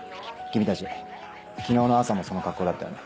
君たち昨日の朝もその格好だったよね